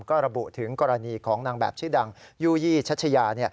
ก็ระบุถึงกรณีของนางแบบชื่อดังยู่ยี่ชัชยา